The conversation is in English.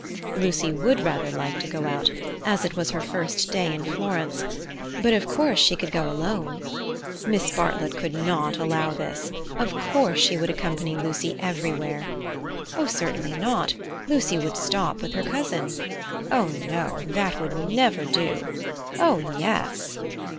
Lucy would rather like to go out, as it was her first day in Florence, but, of course, she could go alone. Miss Bartlett could not allow this. Of course she would accompany Lucy everywhere. Oh, certainly not; Lucy would stop with her cousin. Oh, no! that would never do. Oh, yes!